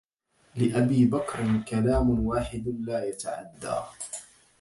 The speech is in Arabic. لأبي بكر كلام واحد لا يتعدى